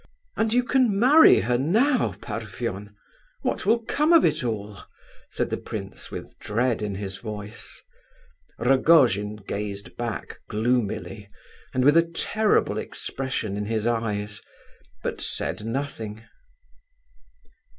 "And you can marry her now, Parfen! What will come of it all?" said the prince, with dread in his voice. Rogojin gazed back gloomily, and with a terrible expression in his eyes, but said nothing.